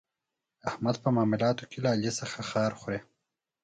احمد په معاملاتو کې له علي څخه خار خوري.